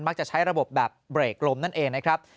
จะใช้ระบบแบบเบรกลมนั่นเองนะครับ